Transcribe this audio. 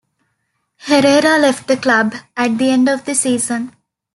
Herrera left the club at the end of the season.